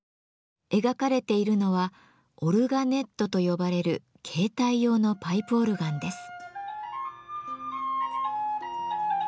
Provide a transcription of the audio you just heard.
描かれているのは「オルガネット」と呼ばれる携帯用のパイプオルガンです。